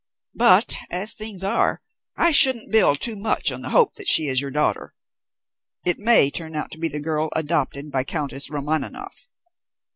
But, as things are, I shouldn't build too much on the hope that she is your daughter. It may turn out to be the girl adopted by Countess Romaninov."